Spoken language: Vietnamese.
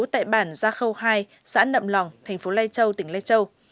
tại bản gia khâu hai xã nậm lòng thành phố lai châu tỉnh lai châu